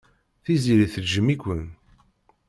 Tiziri tejjem-iken.